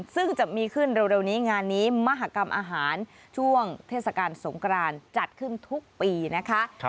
ซึ่งจะมีขึ้นเร็วนี้งานนี้มหากรรมอาหารช่วงเทศกาลสงกรานจัดขึ้นทุกปีนะคะ